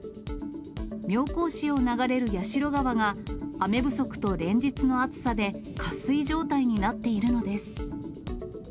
妙高市を流れる矢代川が、雨不足と連日の暑さで、渇水状態になっているのです。